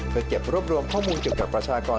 เพื่อเก็บรวบรวมข้อมูลเกี่ยวกับประชากร